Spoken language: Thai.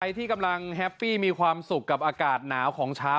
ที่กำลังแฮปปี้มีความสุขกับอากาศหนาวของเช้า